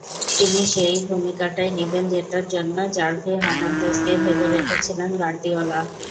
তিনি সেই ভূমিকাটাই নেবেন, যেটার জন্য জাভি হার্নান্দেজকে ভেবে রেখেছিলেন গার্দিওলা।